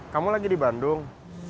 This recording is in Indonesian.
kamu lagi di bandung